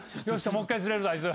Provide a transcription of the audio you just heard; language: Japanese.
もう１回釣れるぞあいつ。